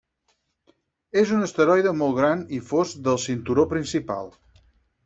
És un asteroide molt gran i fosc del cinturó principal.